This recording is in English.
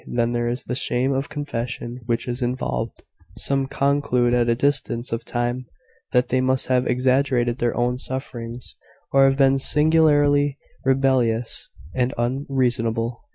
Then there is the shame of confession which is involved: some conclude, at a distance of time, that they must have exaggerated their own sufferings, or have been singularly rebellious and unreasonable.